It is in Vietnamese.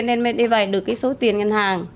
nên mới đi vay được số tiền ngân hàng